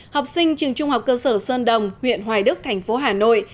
học sinh trường trung học cơ sở sơn đồng huyện hoài đức thành phố hà nội